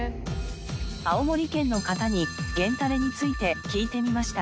青森県の方に源たれについて聞いてみました。